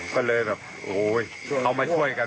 ก็เลยแบบโอ้โหเอามาช่วยกัน